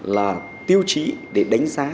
là tiêu chí để đánh giá